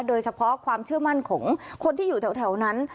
โดยเฉพาะความเชื่อมั่นของคนที่อยู่แถวนั้น